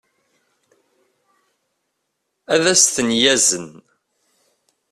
ad as-ten-yazen